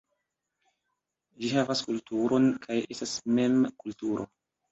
Ĝi havas kulturon kaj estas mem kulturo.